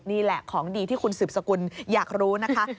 นี่แหละของดีที่คุณสืบสกุลอยากรู้นะคะ